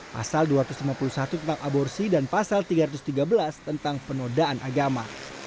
pasal dua ratus lima puluh satu tentang aborsi dan pasal tiga ratus tiga belas tentang penodaan agama